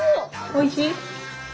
おいしい？